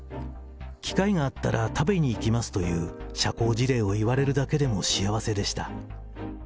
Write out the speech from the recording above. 機会があったら食べに行きますという社交辞令を言われるだけでも幸せでした。